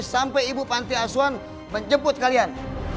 sampai ibu panti asuhan menjemput kalian